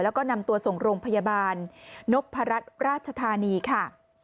แล้วก็นำตัวส่งโรงพยาบาลนพรัชราชธานีค่ะ